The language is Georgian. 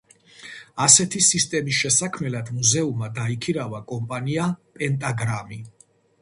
ასეთი სისტემის შესაქმნელად მუზეუმმა დაიქირავა კომპანია პენტაგრამი.